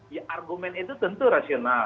ya argumen itu tentu rasional